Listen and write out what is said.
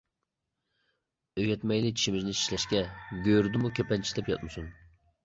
ئۆگەتمەيلى چىشىمىزنى چىشلەشكە، گۆرىدىمۇ كېپەن چىشلەپ ياتمىسۇن.